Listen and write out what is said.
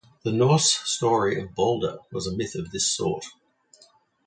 The Norse story of Balder was a myth of this sort.